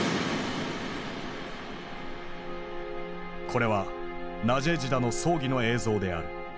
これはナジェージダの葬儀の映像である。